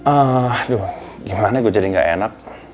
aduh gimana gue jadi gak enak